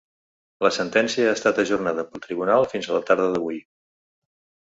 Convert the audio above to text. La sentència ha estat ajornada pel tribunal fins a la tarda d’avui.